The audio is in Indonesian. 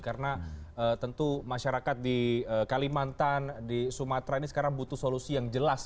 karena tentu masyarakat di kalimantan di sumatera ini sekarang butuh solusi yang jelas